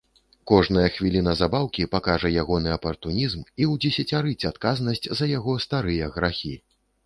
Кожная хвіліна забаўкі пакажа ягоны апартунізм і ўдзесяцярыць адказнасць яго за старыя грахі.